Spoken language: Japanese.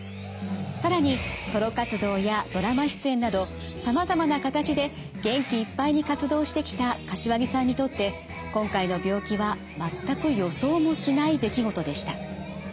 更にソロ活動やドラマ出演などさまざまな形で元気いっぱいに活動してきた柏木さんにとって今回の病気は全く予想もしない出来事でした。